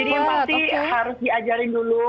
jadi yang pasti harus diajarin dulu